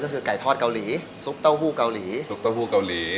ก็คือไก่ทอดเกาหลีซุปเต้าหู้เกาหลีซุปเต้าหู้เกาหลี